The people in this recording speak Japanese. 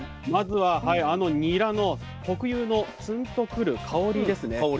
まずはあのニラの特有のツンとくる香りですね。